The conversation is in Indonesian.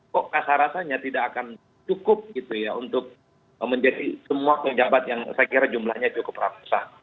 kok rasa rasanya tidak akan cukup gitu ya untuk menjadi semua penjabat yang saya kira jumlahnya cukup ratusan